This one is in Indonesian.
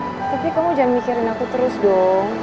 tapi kamu jangan mikirin aku terus dong